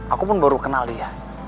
aku pun baru kenal dia